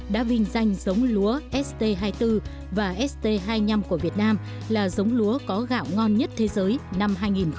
đã vinh danh giống lúa st hai mươi bốn và st hai mươi năm của việt nam là giống lúa có gạo ngon nhất thế giới năm hai nghìn một mươi tám